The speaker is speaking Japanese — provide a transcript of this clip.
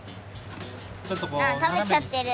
あ食べちゃってる！